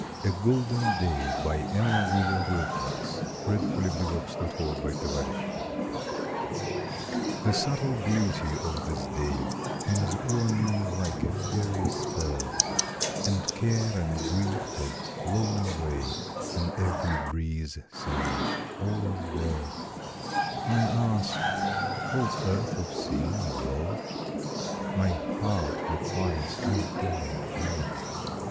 A Golden Day An Ella Wheeler Wilcox Poem A GOLDEN DAY The subtle beauty of this day Hangs o'er me like a fairy spell, And care and grief have flown away, And every breeze sings, "All is well." I ask, "Holds earth of sin, or woe?" My heart replies, "I do not know."